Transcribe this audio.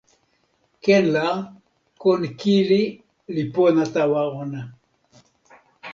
ken la kon kili li pona tawa ona!